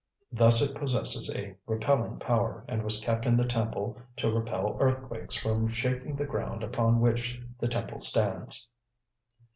Thus it possesses a repelling power, and was kept in the temple to repel earthquakes from shaking the ground upon which the temple stands."